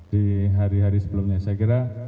di hari hari sebelumnya saya kira